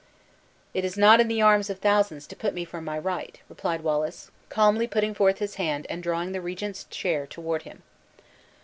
"It is not in the arms of thousands to put me from my right," replied Wallace, calmly putting forth his hand and drawing the regent's chair toward him.